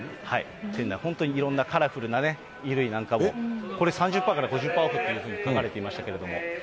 店内、本当にいろんなカラフルなね、衣類なんかも、これ３０パーから５０パーオフというふうに書かれていましたけれども。